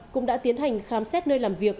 cũng đã tiến hành khám xét nơi làm việc